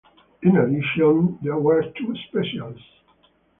In addition, there were two "specials".